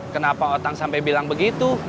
kenapa otak sampai bilang begitu